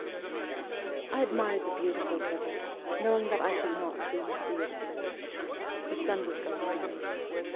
I admired the beautiful river, knowing that I should not soon see it again. The sun was going down.